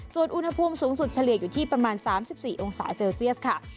ส่วนอุณหภูมิสูงสุดเฉลี่ยอยู่ที่ประมาณ๓๔องศาเซลเซียสค่ะ